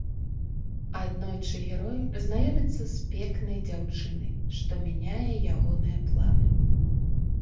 Аднойчы герой знаёміцца з пекнай дзяўчынай, што мяняе ягоныя планы.